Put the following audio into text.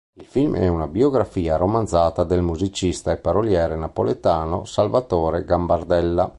Il film è una biografia romanzata del musicista e paroliere napoletano Salvatore Gambardella.